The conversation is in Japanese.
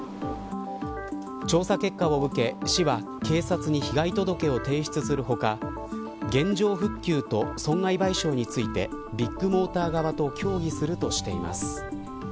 調査結果を受け、市は警察に被害届を提出する他原状復旧と損害賠償についてビッグモーター側と協議するとしています。